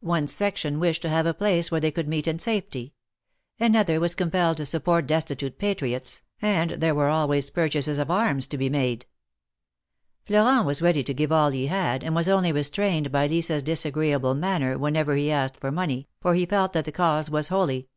One section wished to have a place where they could meet in safety ; another was compelled to support destitute patriots, and there were always purchases of arras to be made. Florent was ready to give all he had, and was only THE MARKETS OF PARIS. 273 restrained by Lisa's disagreeable manner whenever he asked for money, for he felt that the cause was holy.